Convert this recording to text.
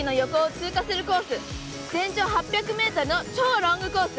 全長８００メートルの超ロングコース。